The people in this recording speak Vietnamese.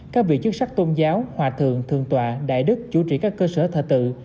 các vị chức sắc tôn giáo hòa thượng thượng tọa đại đức chú trị các cơ sở thờ tự